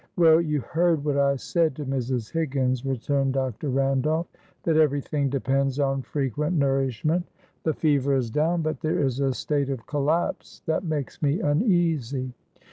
"Well, you heard what I said to Mrs. Higgins," returned Dr. Randolph, "that everything depends on frequent nourishment. The fever is down, but there is a state of collapse that makes me uneasy.